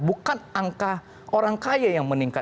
bukan angka orang kaya yang meningkat